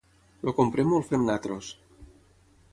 El comprem o el fem nosaltres?